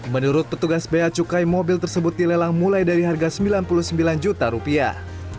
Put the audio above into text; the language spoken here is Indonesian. menurut petugas bea cukai mobil tersebut dilelang mulai dari harga sembilan puluh sembilan juta rupiah